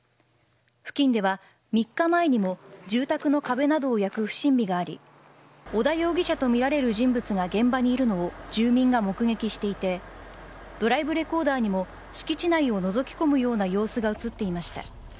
付近では３日前にも住宅の壁などを焼く不審火があり織田容疑者とみられる人物が現場にいるのを住民が目撃していてドライブレコーダーにも敷地内をのぞき込むような様子が映っていました。